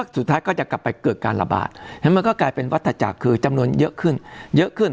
สุดท้ายก็จะกลับไปเกิดการระบาดฉะนั้นมันก็กลายเป็นวัตถจักรคือจำนวนเยอะขึ้นเยอะขึ้น